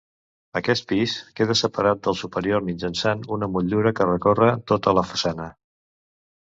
Aquest pis queda separat del superior mitjançant una motllura que recorre tota la façana.